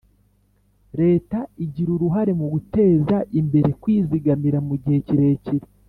Leta igira uruhare mu guteza imbere kwizigamira mu gihe kirekire